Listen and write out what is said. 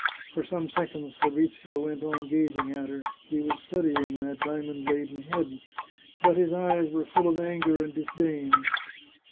For some seconds Fabrizio went on gaz ing at her. He was studying that diamond laden head. But his eyes were full of anger and disdain.